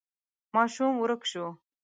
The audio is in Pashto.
ماشوم ورک شو.